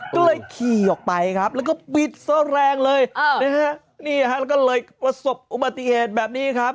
ก็เลยขี่ออกไปครับแล้วก็ปิดแรงเลยเนี่ยเราก็เลยประสบธุระปฏิเอชแบบนี้ค่ะ